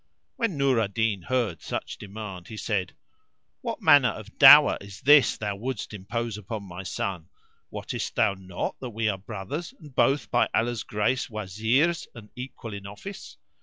When Nur al Din heard such demand he said, "What manner of dower is this thou wouldest impose upon my son? Wottest thou not that we are brothers and both by Allah's grace Wazirs and equal in office?